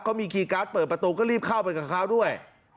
เขามีคีย์การ์ดเปิดประตูก็รีบเข้าไปกับเขาด้วย